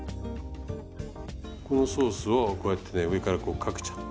このソースをこうやってね上からこうかけちゃう。